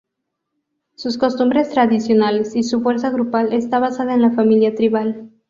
Sus costumbres tradicionales, y su fuerza grupal está basada en la familia tribal.